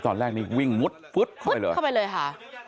ตอนแรกนี้วิ่งมุดฟึ๊ดเข้าไปเลยค่ะ